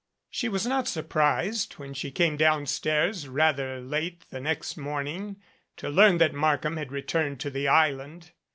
She was not surprised when she came downstairs rather late the next morning to learn that Markham had returned to the island.